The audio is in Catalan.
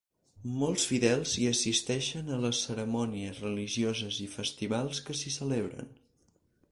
Molts fidels hi assisteixen a les cerimònies religioses i festivals que s'hi celebren.